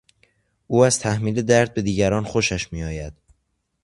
او از تحمیل درد به دیگران خوشش میآید.